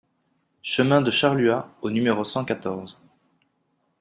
Chemin de Charluat au numéro cent quatorze